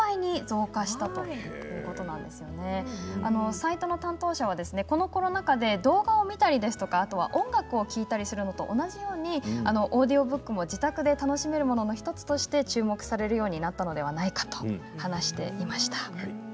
サイトの担当者はコロナ禍で動画を見たり音楽を聴いたりするのと同じようにオーディオブックも自宅で楽しめるものの１つとして注目されるようになったのではないかと話していました。